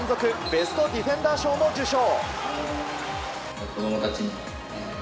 ベストディフェンダー賞も受賞。